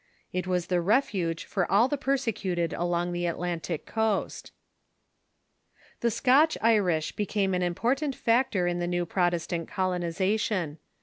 It was the refuge for all the perse cuted along the Atlantic coast. The Scotch Irish became an important factor in the new Protestant colonization.